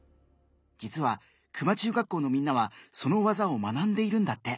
実は球磨中学校のみんなはその技を学んでいるんだって。